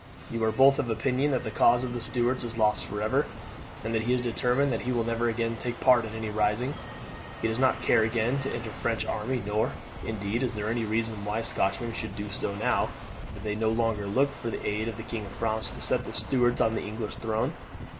You are both of opinion that the cause of the Stuarts is lost for ever, and he is determined that he will never again take part in any rising. He does not care again to enter the French army, nor, indeed, is there any reason why Scotchmen should do so, now that they no longer look for the aid of the King of France to set the Stuarts on the English throne.